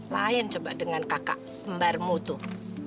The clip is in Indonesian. lain coba dengan kakak pembarmu tuh